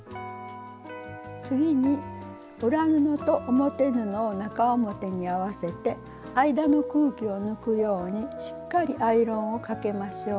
次に裏布と表布を中表に合わせて間の空気を抜くようにしっかりアイロンをかけましょう。